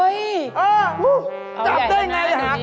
อย่างมือ